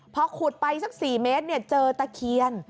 พอขุดไปสัก๔เมตรเจอตะเคียน